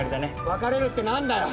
別れるって何だよ！